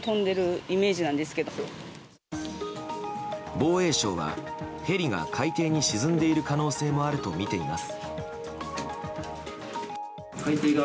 防衛省はヘリが海底に沈んでいる可能性もあるとみています。